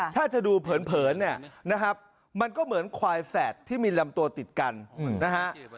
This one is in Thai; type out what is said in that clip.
ถ้าจะดูเผินเนี่ยนะครับมันก็เหมือนควายแฝดที่มีลำตัวติดกันนะฮะ